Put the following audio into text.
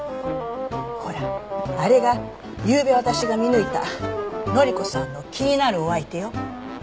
ほらあれがゆうべ私が見抜いた乃里子さんの気になるお相手よ。